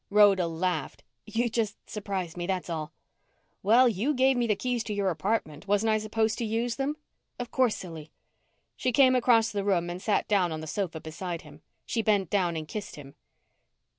Rhoda laughed. "You just surprised me, that's all." "Well, you gave me the keys to your apartment. Wasn't I supposed to use them?" "Of course, silly." She came across the room and sat down on the sofa beside him. She bent down and kissed him.